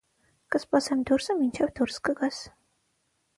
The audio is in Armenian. կսպասեմ դուրսը, մինչև դուրս կգաս: